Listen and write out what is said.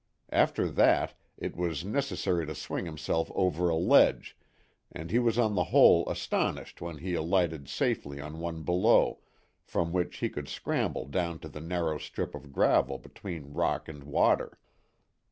After that, it was necessary to swing himself over a ledge, and he was on the whole astonished when he alighted safely on one below, from which he could scramble down to the narrow strip of gravel between rock and water.